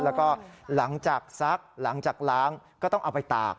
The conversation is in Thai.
แล้วก็หลังจากซักหลังจากล้างก็ต้องเอาไปตาก